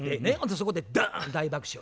そこでドーン大爆笑や。